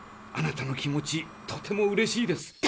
あなたの気持ちとてもうれしいです。